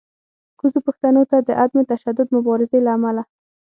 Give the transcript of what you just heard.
کوزو پښتنو ته د عدم تشدد مبارزې له امله